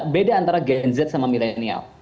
beda antara gen z sama milenial